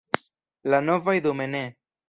La novaj – dume ne.